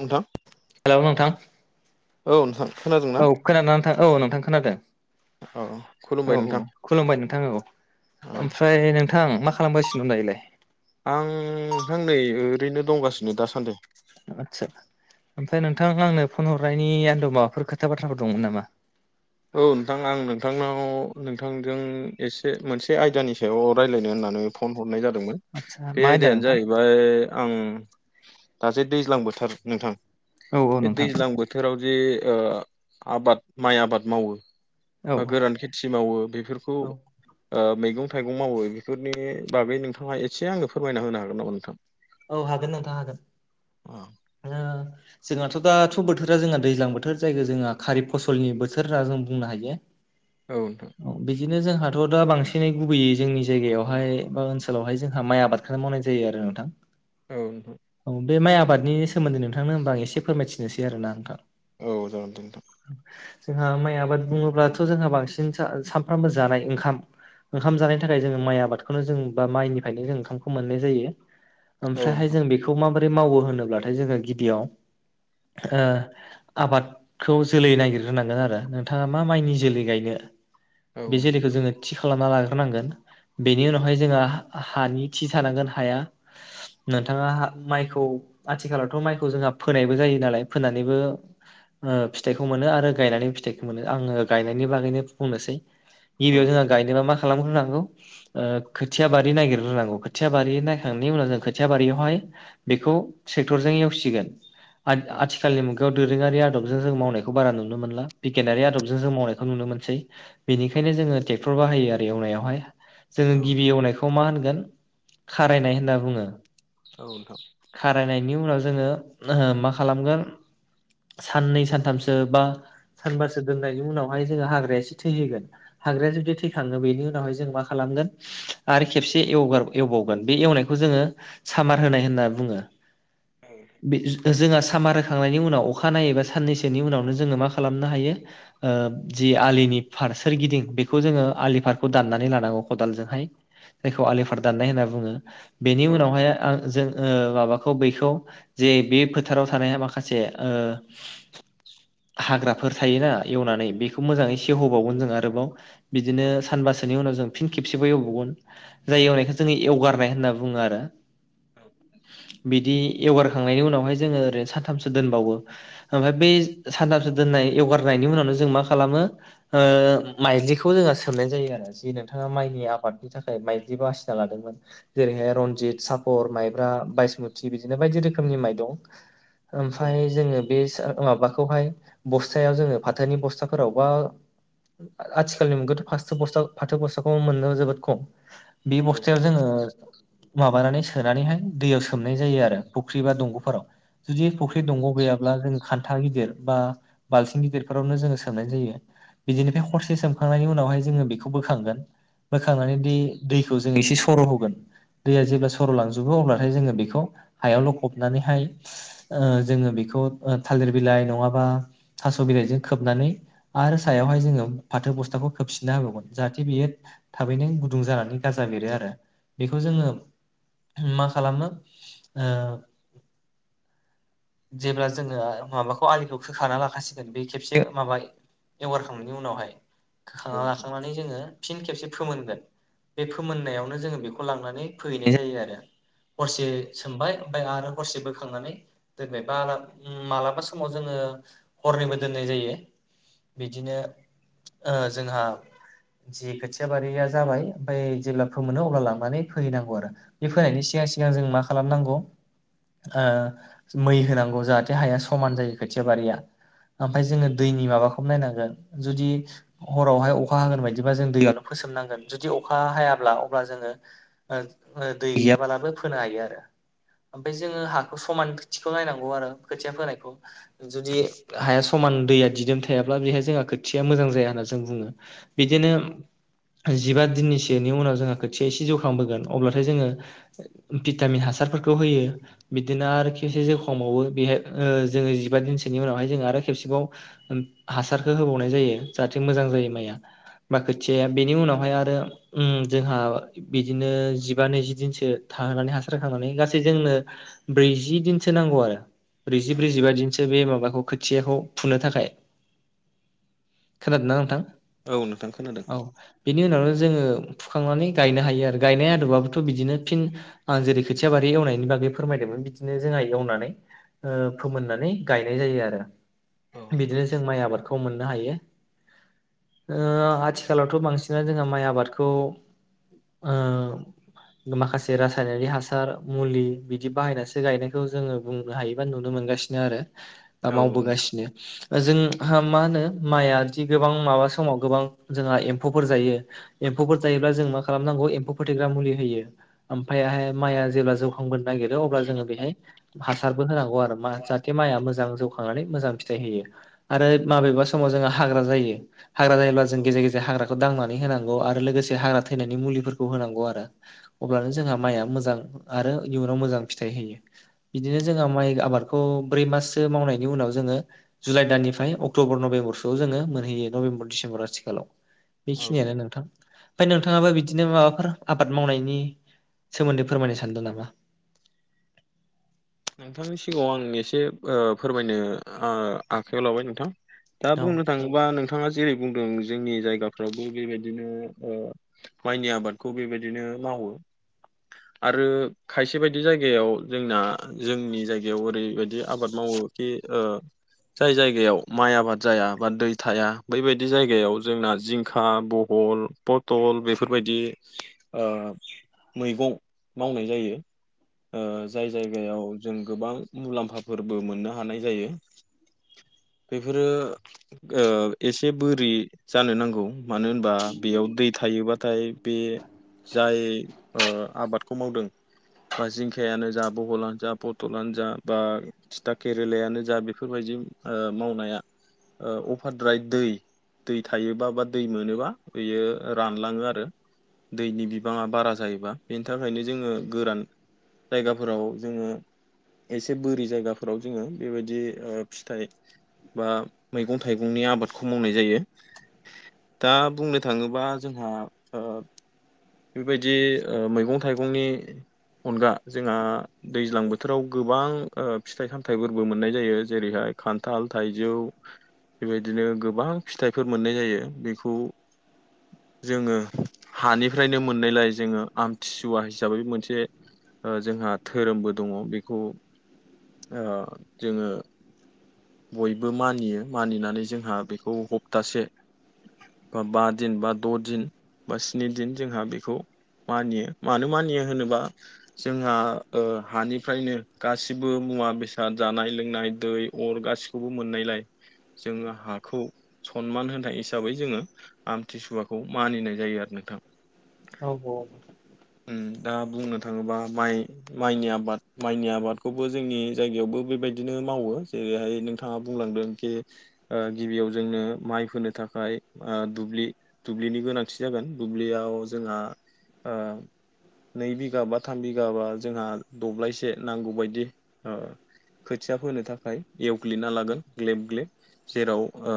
नोंथां हेलौ नोंथां औ नोंथां खोनादोंना औ खोनादों नोंथां औ नोंथां खोनादों औ औ खुलुमबाय औ नोंथां खुलुमबाय नोंथां औ औ ओमफ्राय नोंथां मा खालामगासिनो दायोलाइ आं नोंथां नै ओरैनो दंगासिनो दासान्दै आतसा ओमफ्राय नोंथां आंनो फन हरनायनि आन्दोआव माबाफोर खोथा बाथ्राफोर दंमोन नामा औ नोंथां आं नोंथांनाव नोंथांजों एसे मोनसे आयदानि सायाव रायलायनो होन्ना नै फन हरनाय जादोंमोन आदसा बे मा आयदा आयदायानो नोंथां जाहैबाय आं दाजे दैज्लां बोथोर नोंथां औ औ बे नोंथां दैज्लां बोथोराव जे ओ आबाद माइ आबाद मावो औ बा गोरान खेथि मावो बेफोरखौ औ मैगं थाइगं मावो बेफोरनि बागै नोंथाङा एसे आङनो फोरमायना होनो हागोन नामा नोंथां औ हागोन नोंथाङ हागोन ओ जोङाथ' दा थ' बोथोरा जोङा दैज्लां बोथोर जायखौ जोंहा खारिब फसलनि बोथोर होनना जों बुंनो हायो औथा बिदिनो जोंहाथ' दा बांसिनै गुबैयै जोंनि जायगायावहाय बा ओनसोलावहाय जोंहा माइ आबादखौनो मावनाय जायो आरो नोंथां औ नोंथां औ बे माइ आबादनि सोमोन्दै नोंथांनो होनबा आं एसे फोरमायथिनोसै आरो ना नोंथां औ जागोन दोंथां जोंहा माइ आबाद बुङोब्लाथ' जोंहा बांसिन सा सानफ्रामबो जानाय ओंखाम ओंखाम जानायनि थाखाय जोंङो माइ आबादखौनो जों बा माइनिफ्रायनो जों ओंखामखौ मोननाय जायो औ ओमफ्रायहाय जों बेखौ माबोरै मावो होनोब्लाथाय जोङो गिबियाव ओ आबाद खौ जोलै नागिरग्रोनांगोन आरो नोंथाङा मा माइनि जोलै गायनो बे नोंथां जोलैखो जोङो थिख खालामना लाग्रोनांगोन बेनि उनावहाय जोंहा हा हानि थि थानांगोन हाया नोंथाङा हा माइखौ आथिखालावथ' माइखौ जोंहा फोनायबो जायो नालाय फोनानैबो ओ फिथाइखौ मोनो आरो गायनानै फिथाइखौ मोनो आङो गायनायनि बागैनो बुंनोसै औ गिबियाव जोङा नोंथां गावनोगाव माख खालाम्रोनांगौ ओ खोथिया बारि नागि रग्रोनांगौ खोथिया बारि नायखांनायनि उनाव जों ख खोथिया बारियावहाय बेखौ सेेक्टरजों एवसिगोन आट आथिखालनि मुग दोरोङारि आदबजों जों मावनायखौ बारा नुनो मोनला बिगियानारि आदबजों जों मावनायखौ नुनो मोनसै बेनिखायन बेखायनो जोङो ट्रेकटर बाहायो आरो एवनायावहाय जोङो गिबि औ एवनायखौ मा होनगोन खारायनाय होनना बुङो नोंथां खारायनायनि उनाव जोङो ओ मा खालामगोन साननै सानथामसो बा सानबारसो दोननायनि उनावहाय जोङो हाग्राया एो थैहोगोन हाग्राया जुदि थैखाङो बेनि उनावहाय जों म खालाम आरो खेबसे एवबावगोन बे एवनायखौ जोङो सामार होनाय होनना बुङो औ जों सामार होखांनायनि उनाव अखा नायै एबा साननैसोनि उनावनो जोङो मा खालामनो हायो आनि फार सोरगिदिं बेखौ जोङो आलि फारखौ दाननानै लानांगौ खदालजोंहाय जायखौ आलिफार दाननाय होनना बुङो बेनि औ उनावहाय आं जों माबाखौ बैखौ जे बे फोथाराव थानाय माखासे हाग्राफोर थायोना एवनानै बेखौ मोजाङै सेवहोबावगोन जों आरोबाव औ बिदिनो नोंथां सानबासोनि उनाव जों फिन खेबसेबबो एवबावगोन जाय एवनायखौ जोङो एवगारनाय होनना बुङो आरो बि बिवगारखांनायनि उनावहाय ज ओरैनो सानथामसो दोनबावो ओमफ्राय बै सानथामसो द ार उनावनो ज मो माइखौ जों सनाय ज नों म आबादनि थाखाय माइ बासिना लादोंमोन जेरैहाय रनजित स फर माइब्रा बासमुथि बिदिनो बायदि रोखोमनि माइ दं औ ओमफ्राय जोङो बे माबाखौहाय बस्थायायाव जोङो फाथोनि बस्थाफोराव बा आथिखालनि मुगथ' फास बस्था फाथो बस्थाखौ मोनदों जोबोद खम बे औ बस्थायाव जोङो माबानानै सोनानैहाय दैयाव सोमनाय जायो आरो फुख्रि बा दंग'फोराव जुदि फुख्रि दंग' गैयाब्ला जों ाथा गिदिर बा बालथिं गिदिरफोरावनो जोङो सोमनाय जायो बिदिनिफ्राय हरसे सोमखांनायनि उनावहाय जोङो बेखौ बोखांगोन बोखांनानै बै दैखौ जों एसे सरहोगोन, दैया जेब्ला सर - लांजोबो अब्लाथाय जोङो बेखौ हायावल'बनानै ओ जोङो बेखौ ओ बिलाइ नङाबा थास बिलाइजों खोबनानै आरो सायावहाय जोङो फाथो बस्टाखौ खोबसिन खिना हाबावगमोन जाहाथे बेयो थाबैनो गुदुं जानानै गारजा बेरो आरो बेखौ जोङो मा खालामो [inaudible] जेब्ला जोङो माबाखौ आलिखौ खोखाना लाखाासिगोन बे खेबसे माबा एगारखांनायनि उनावहाय औ होखांना लाखांनानै जोङो खाबसिन खेबसे फोमोनगोन। बे फोमोननायावनो जोङो बेखौ लांनानै फोहैनाय जायो आरो। हरसे सोमबाय ओमफ्राय आरो हरसे बोखांनानै दोनबाय बाला- ओम मालाबा समाव जोङो हरनैबो दोननाय जायो बिदिनो ओ जोंहा जि खोथिया बारिया जाबाय ओमफ्राय जेब्ला फोमोनो अब्ला लांनानै फोहैनांगौ आरो। बे फोनायनायनि सिगां सिगां जों मा खालामनांगौ? ओ मै होनांगौ जाहाथे हाया समान जायो खोथिया बारिया ओमफ्राय जोङो दैनि माबाखौ नायनांगोन जुदि हरावहाय अखा हागोन बायदिबा जों दैयावनो फो सोमनांगोन जुदि अखा हाब्ला अब्ला जोङो ओ दै गैयाबालाबो फोनो हायो आरो। ओमफ्राय जोङो औ हाखौ समान खोथिखौ नायनांगौ आरो खोथिया फोनायखौ जुदि हाया समान दैया दिदोम थायाब्ला बेहाय जोंहा खोथिया मोजां जाया होनना जों बुङो बिदिनो जिबा दिननिसोनि उनाव जोंहा खोथिया एसे जौखांबोगोन अब्ला जोङो भिटामिन हासारफोरखौ होयो बिदिनो आरो खिबसे [inaudible] मावावो बेहाय ओ जोङो जिबा दिनसोनि उनावहाय जोङो आरो खेबसेबाव हासारखो होबावनाय जायो जाहाथे मोजां जा जायो माइया ओमफाय खोथिया बेनि उनावहाय आरो उम जोंहा बिदिनो जिब बा नैजि दिनसो थाहोनानै हासारखांनानै गासै जोंनो ब्रैजि दिनसो नांगौ आरो। ब्रैजिब्रैजिबा दिनसो बे माबाखौ खोथियाखौ फुनो थाखाय। खोनादोंना नोंथां? औ नोंथां खोनादों औ बेनि उनावनो जोङो फुखांनानै गायनो हायो आरो गायनाय आदबाबो थ' बिदिनो फिन आं जेरै खोथिया बारि एवनायनि बागै फोरमायदोंमोन बिदिनो जोंहा एवनानै ओ फोमोननानै गायनाय जायो आरो औ नोंथां बिदिनो जों माइ आबादखौ खौ मोननो हायो। ओ आथिखालावथ' बांसिनानो जोंहा माइ आबादखौ ओ माखासे रासायनारि हासार मुलि बिदि बाहायनासो गायनायखौ जोङो बुंनो हायो बा नु नुनो मोनगासिनो आरो बा औ मावबोगासिनो। जोंहा मा होनो माइआदि गोबां माबा समाव गोबां जोंहा एम्फौफोर जायो एम म्फौफोर जायोब्ला जों मा खालामनांगौ एम्फौ फोथैग्रा मुलि होयो ओमफायहाय माइआ जेब्ला जौखांबोनो नागिरो अब्ला जोङो बेहाय हासारबो होनांगौ आरो मा जाहाथे माइआ मोजां जौखांनानै मोजां फिथाइ होयो आरो माबेबा समाव जोङा हाग्रा जायो हाग्रा जायोब्ला जों गेजेर गेजेर हाग्राखौ दांनानै होनांगौ आरो लोगोसे हाग्रा थैनायनि मुलि फो फोरखौ होनांगौ आरो। अब्लानो जोंहा माइआ मोजां आरो इयुनाव मोजां फिथाइ होयो बिदिनो जोंहा माइ आबादखौ ब्रै माससो मावनायनि उनाव जोङो जुलाइ दाननिफ्राय अक्ट'बर नभेम्बरसोआव जोङो मोनहै यो नभेम्बर डिसेम्बर आथिखालाव औ बेखिनियानो नोंथां ओमफ्राय नोंथाङाबो बिदिनो माबाफोर आबाद मावनायनि सोमोन्दै फोरमायनो सानदों नामा? नोंथांनि सिगाङाव आं एसे ओ फोरमायनो ओ आखायाव लाबाय नोंथां। दा औ बुंनो थाङोबा नोंथाङा जेरै बुंदों जोंनि जायगा फ्रावबो बेबायदिनो ओ माइनि आबादखौ बेबायदिनो मावो। आरो खायसे बायदि जायगायाव जोंना जोंनि जायगायाव ओरैबायदि आबाद मावो खि ओ जाय जायगायाव माइ आबाद जाया बा दै थाया बैबायदि जायगायाव जोंना जिंखा बह बहल पथल बेफोरबायदि ओ मैगं मावनाय जायो। ओ जाय जाय गायाव जों गोबां मुलाम्फाफोरबो मोननो हानाय जायो। बेफोरो ओ एसे बोरि जानो नांगौ। मानो होनबा बेयाव दै थायोबाथाय बे जाय ओ आबादखौ मावदों बा जिंखायानो जा बहलानो जा पटलानो जा बा थिथा केरेलायानो जा बेफोरबायदि ओ मावनाया ओ अफारद्राय दै दै थायोबा बा दै मोनोबा बेयो रानलाङो आरो। दैनि बिबाङा बारा जायोबा बेनि थाखायनो जोङो गोरान जायगा फोराव जोङो एसे बोरि जायगाफोराव जोङो बेबायदि ओ फिथाइ बा मैगं थाइगंनि आबादखौ मावनाय जायो। दा बुंनो थाङोबा जोंहा ओ बेबायदि ओ मैगं थाइगंनि अनगा जोंहा दैज्लां बोथोराव गोबां ओ फिथाइ सामथाइफोरबो मोननाय जायो जेरैहाय खान्थाल थाइजौ बेबायदिनो गोबां फिथाइफोर मोननाय जायो बेखौ जोङो हानिफ्रायनो मोननायलाय जोङो आमथिसुवा हिसाबै मोनसे ओ जोंहा धोरोमबो दङ' बेखौ ओ जोङो बयबो मानियो मानिनानै जोंहा बेखौ हप्तासे बा बा दिन बा द' दिन बा स्नि दिन जोंहा बेखौ मानियो मानो मानियो होनोबा जोंहा ओ हानिफ्रायनो गासिबो मुवा बेसाद जानाय लोंनाय दै अर गासिखौबो मोननायलाय जोङो हाखौ सनमान होनाय हिसाबै जोङो आमथिसुवाखौ मानिनाय जायो आरो। [unintelligible] औ औ। उम दा बुंनो थाङोबा माइ माइनि आबाद माइनि आबादखौबो जोंनि जायगायावबो बेबायदिनो मावो जेरैहाय नोंथाङा बुंलांदों खि ओ गिबियाव जोंनो माइ फोनो थाखाय ओ दुब्लि दुब्लिनि गोनांथि जागोन दुब्लियाव जोंहा ओ नै बिघा बा थाम बिगाबा जोंहा दब्लायसे नांगौ बायदि ओ खोथिया फोनो थाखाय एवग्लिना लागोन ग्लेब ग्लेब जेराव ओ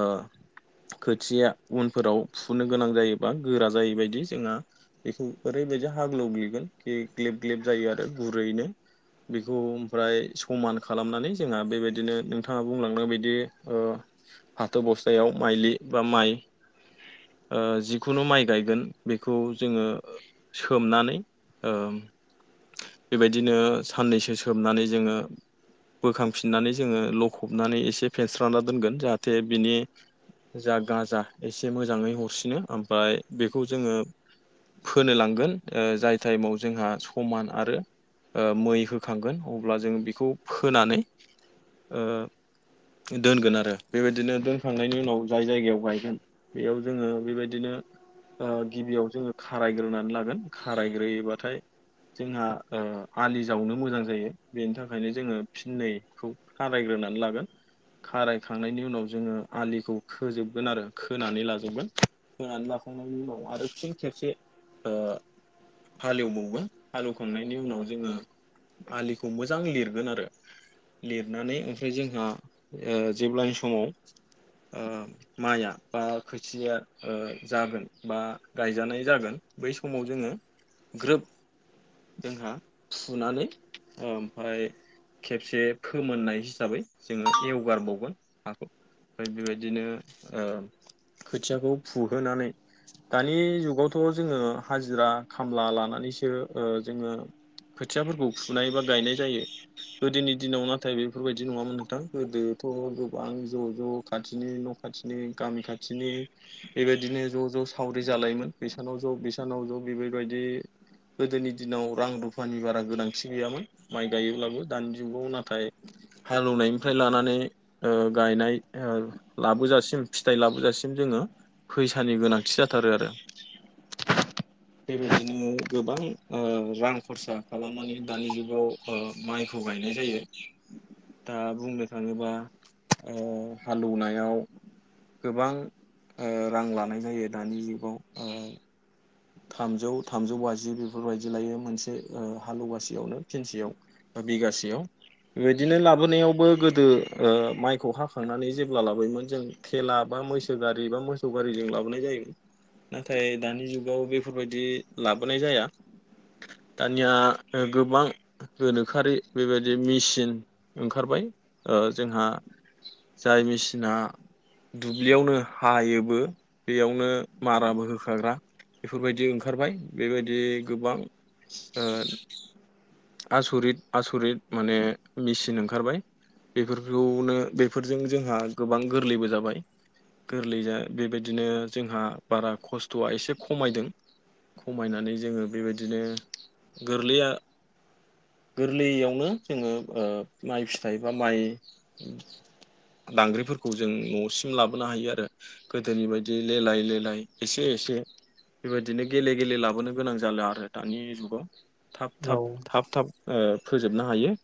खोथिया उनफोराव फुनो गोनां जायोबा गोरा जायैबायदि जोंहा बेखौ ओरैबायदि हाग्लौग्लिगोन खि ग्लेब ग्लेब जायो आरो गुरैनो बेखौ ओमफ्राय समान खालामनानै जोंहा बेबायदिनो नोंथाङा बुंलांनाय बायदि ओ फाथो बस्थायाव माइलि बा माइ ओ जिखुनु माइ गायगोन बे खौ जोङो सोमनानै ओ बेबायदिनो साननैसो सोबनानै जोङो बोखांफिननानै जोङो लखबनानै एसे फेनस्रांना दोनगोन जाहाथे बिनि जा गाजा एसे मोजाङै हरसिनो ओमफाय बेखौ जोङो फोनो लांगोन ओ जाय टाइमाव जोंहा समान आरो ओ मै होखांगोन अब्ला जों बेखौ फोनानै ओ दोनगोन आरो बेबायदिनो दोनखांनायनि उनाव जाय जायगायाव गायगोन बेयाव जोङो बेबायदिनो ओ गिबियाव जोङो खारायग्रोनानै लागोन खारायग्रोयोबाथाय जोंहा ओ आलि जावनो मोजां जायो बेनि थाखायनो जोङो फिननैखौ खारायग्रो नानै लागोन खारायखांनायनि उनाव जोङो आलिखौ खोजोबगोन आरो खोनानै लाजोबगोन खोनानै ला खांनायनि उनाव आरो फिन खेबसे ओ हालेवबावगोन हालेवखांनायनि उनाव जोङो आलिखौ मोजां लिरगोन आरो लिरनानै ओमफ्राय जोंहा ओ जेब्लानि समाव ओ माया बा खोथिया ओ जागोन बा गायजानाय जागोन बै समाव जोङो ग्रोब जोंहा फुनानै ओमफ्राय खेबसे फोमोननाय हिसाबै जोङो एवगारबावगोन हाखौ ओमफ्राय बेबायदिनो ओ खोथियाखौ फुहोनानै [inaudible] दानि जुगावथ' जोङो हाजिरा खामला लानानैसो ओ जोङो खोथियाफोरखौ फुनाय बा गायनाय जायो गोदोनि दिनाव नाथाय बेफोरबायदि नङामोन नोंथां गोदो थ' गोबां ज' ज' खाथिनि न' खाथिनि गामि खाथिनि बेबायदिनो ज' ज' सावरि जालायोमोन बैसानाव ज' बिसानाव ज' बेफोरबायदि गोदोनि दिनाव रां रुफानि बारा गोनांथि गैयामोन माइ गायोब्लाबो दानि जुगाव नाथाय हालेवनायनिफ्राय लानानै ओ गायनाय लाबोजासिम फिथाइ लाबोजासिम जों जो फैसानि गोनांथि जाथारो आरो। बेबायदिनो गोबां ओ रां खरसा खालामनानै दानि जुगाव ओ माइखौ गाय जायो दा बुंनो थाङोबा ओ हालौनायाव। गोबां ओ रां लानाय जायो दानि जुगाव ओ थामजौ थामजौ बाजि बेफोरबायदि लायो मोनसे ओ हालवासेयावनो फिनसेयाव बिगासेयाव बिदिनो लाबोनायावबो गोदो माइखौ हाखांनानै जेब्ला लाबोयोमोन जों खेला बा मैसो गारि बा मोसौ गारिजों लाबोनाय जायोमोन नाथाय दानि जुग बेफोरबायदि लाबोनाय जाया। दानिया गोबां गोनोखोआरि बेबायदि मेचिन ओंखारबाय। जोंहा जाय मेसिना दुब्लियावनो हायोबो बेयावनो माराबो होखाग्रा बेफोरबायदि ओंखारबाय बेबायदि गोबां आसरित आसरित माने मेसिन ओंखारबाय। बेफोरखौनो बेफोरजों जोंहा गोबां गोरलैबो जाबाय। गोरलै जा बेबायदिनो जोंहा बारा खस्थ'आ एसे खमायदों। खमायनानै जोङो बेबायदिनो गोरलै आ गोरलैयावनो जोङो ओ माइ फिथाइ बा माइ दांग्रिफोरखौ जों न'सिम लाबोनो हायो आरो। गोदोनि बायदि लेलाय लेलाय एसे एसे बेबायदिनो गेले गेले लाबोनो गोनां जाला आरो दानि जुगाव। थाब थाब औ थाब थाब ओ फोजोबनो हायो।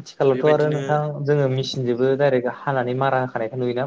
आथिखालावथ' आरो बेबायदिनो नोंथां जोङो मेसिनजोंबो दाइरेक हानानै मारा होखानायखौ नुयोना।